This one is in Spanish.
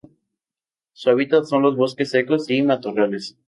Su hábitat son los bosques secos y matorrales.